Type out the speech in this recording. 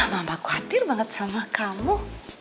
mama khawatir banget sama kamu